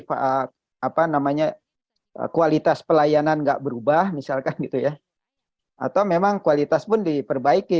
pak apa namanya kualitas pelayanan enggak berubah misalkan gitu ya atau memang kualitas pun diperbaiki